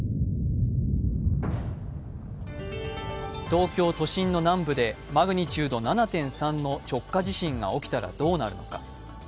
東京都心の南部でマグニチュード７．３の直下地震が起きたらどうなるのか。